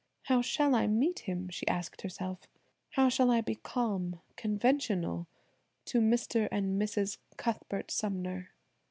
"How shall I meet him?" she asked herself. "How shall I be calm, conventional to Mr. and Mrs. Cuthbert Sumner?"